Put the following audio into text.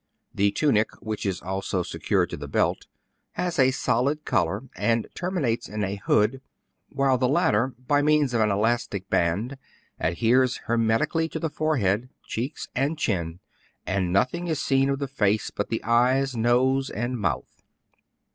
The tunic, which is also secured to the belt, has a solid collar, and termi nates in a hood ; while the latter, by means of an 2l6 TRIBULATIONS OF A CHINAMAN. elastic band, adheres hermetically to the forehead, cheeks, and chin, and nothing is seen of the face •but the eyes, nose, and mouth.